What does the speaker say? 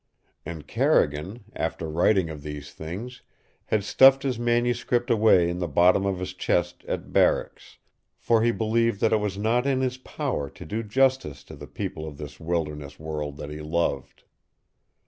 And Carrigan, after writing of these things, had stuffed his manuscript away in the bottom of his chest at barracks, for he believed that it was not in his power to do justice to the people of this wilderness world that he loved.